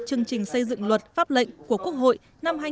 chương trình xây dựng luật pháp lệnh của quốc hội năm hai nghìn một mươi bảy